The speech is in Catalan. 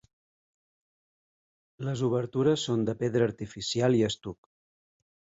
Les obertures són de pedra artificial i estuc.